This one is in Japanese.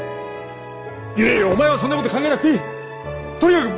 いやいやお前はそんなこと考えなくていい。